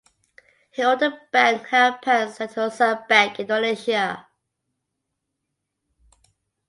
He owned the Bank Harapan Sentosa bank in Indonesia.